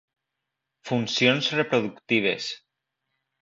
Funcions reproductives.